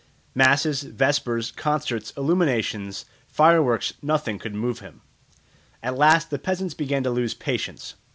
Masses, vespers, concerts, illuminations, fire works nothing could move him. At last the peasants began to lose patience.